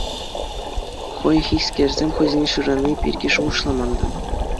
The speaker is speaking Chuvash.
Хайхискерсем хӑйсене шырани пирки шухӑшламан та.